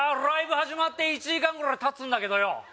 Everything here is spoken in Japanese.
ライブ始まって１時間ぐらいたつんだけどよ